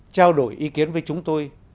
trao đổi ý kiến với chúng tôi